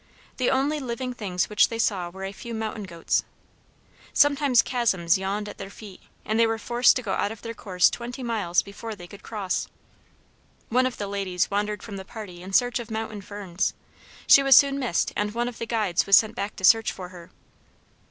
The only living things which they saw were a few mountain goats. Sometimes chasms yawned at their feet, and they were forced to go out of their course twenty miles before they could cross. Once one of the ladies wandered from the party in search of mountain ferns. She was soon missed, and one of the guides was sent back to search for her.